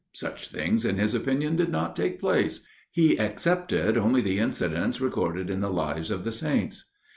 Such things in his opinion did not take place ; he excepted only the incidents recorded in the lives of the saints.